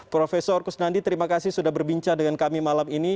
profesor kusnandi terima kasih sudah berbincang dengan kami malam ini